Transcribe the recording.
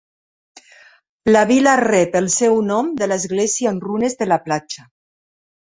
La vila rep el seu nom de l'església en runes de la platja.